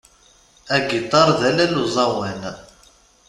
Agiṭar d allal uẓawan.